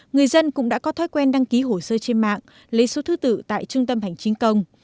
người dân cũng đã có thói quen đăng ký hồ sơ trên mạng lấy số thứ tự tại trung tâm hành chính công